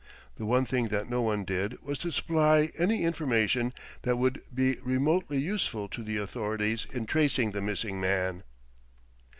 The one thing that no one did was to supply any information that would be remotely useful to the authorities in tracing the missing man.